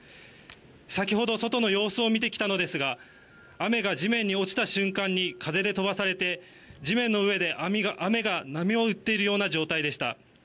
先ほど外の様子を見てきたのですが雨が地面に落ちた瞬間に風で飛ばされて地面の上で、雨が波を打っているような状態でした。